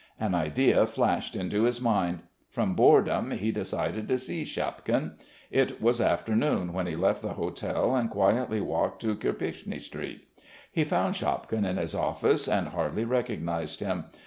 An idea flashed into his mind. From boredom, he decided to see Shapkin. It was afternoon when he left the hotel and quietly walked to Kirpichny Street. He found Shapkin in his office and hardly recognised him.